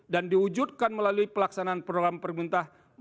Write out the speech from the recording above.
dan diwujudkan melalui pelaksanaan program pemerintah